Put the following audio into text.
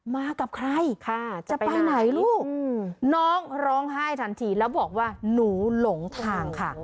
มากับใครจะไปไหนลูกน้องร้องไห้ทันทีแล้วบอกว่าหนูหลงทางค่ะ